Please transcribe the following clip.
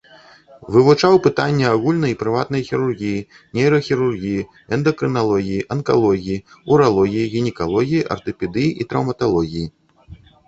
Вывучаў пытанні агульнай і прыватнай хірургіі, нейрахірургіі, эндакрыналогіі, анкалогіі, уралогіі, гінекалогіі, артапедыі і траўматалогіі.